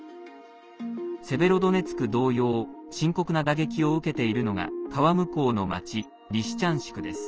セベロドネツク同様深刻な打撃を受けているのが川向こうの町リシチャンシクです。